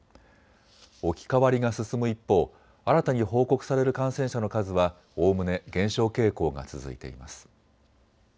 置き換わりが進む一方、新たに報告される感染者の数はおおむね減少傾向が続いています。